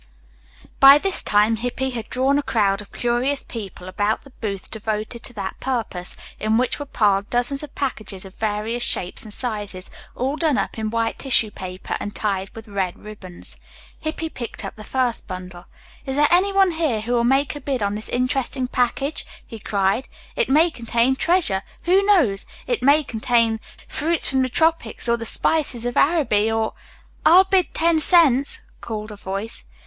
By this time Hippy had drawn a crowd of curious people about the booth devoted to that purpose, in which were piled dozens of packages of various shapes and sizes, all done up in white tissue paper and tied with red ribbons. Hippy picked up the first bundle. "Is there anyone here who will make a bid on this interesting package?" he cried. "It may contain treasure. Who knows? It may contain fruits from the tropics, or the spices of Araby, or " "I'll bid ten cents," called a voice.